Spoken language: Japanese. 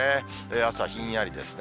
朝はひんやりですね。